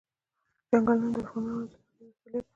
چنګلونه د افغانانو د تفریح یوه وسیله ده.